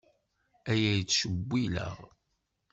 Aya yettcewwil-aɣ.